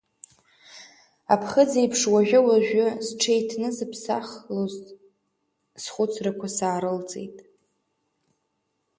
Аԥхыӡ еиԥш, уажәы-уажәы зҽеиҭнызыԥсахлоз схәыцрақәа саарылҵит.